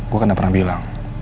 gue kan gak pernah bilang